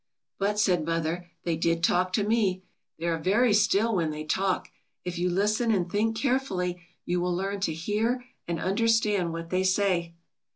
"But," said Mother, "they did talk to me; they are very still when they talk. If you listen and think carefully, you will learn to hear and understand what they say."